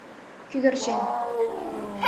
— Кӧгӧрчен.